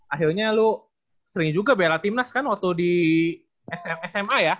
akhirnya lu sering juga bela timnas kan waktu di sma ya